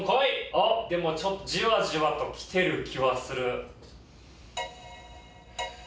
あっでもじわじわときてる気はする。